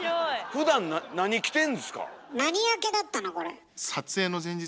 ふだん何着てんですか？